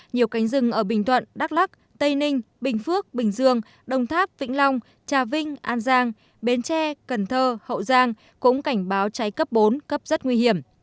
nhiều cánh rừng ở bình thuận đắk lắc tây ninh bình phước bình dương đồng tháp vĩnh long trà vinh an giang bến tre cần thơ hậu giang cũng cảnh báo cháy cấp bốn cấp rất nguy hiểm